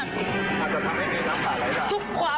คนกำลังรอความตาย